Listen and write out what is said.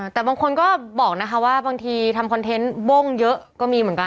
แต่บางคนก็บอกนะคะว่าบางทีทำคอนเทนต์โบ้งเยอะก็มีเหมือนกัน